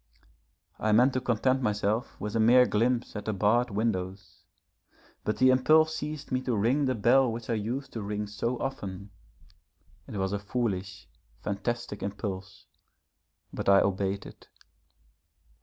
I meant to content myself with a mere glimpse at the barred windows, but the impulse seized me to ring the bell which I used to ring so often. It was a foolish, fantastic impulse, but I obeyed it.